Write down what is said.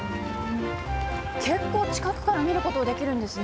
結構近くから見ることできるんですね。